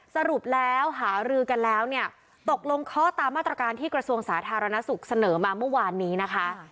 สรุปแล้วหารือกันแล้วเนี่ยตกลงข้อตามมาตรการที่กระทรวงสาธารณสุขเสนอมาเมื่อวานนี้นะคะ